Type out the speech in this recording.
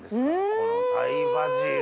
このタイバジル。